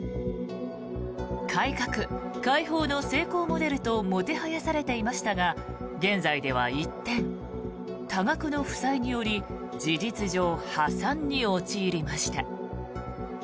改革開放の成功モデルともてはやされていましたが現在では一転多額の負債により事実上、破産に陥りました。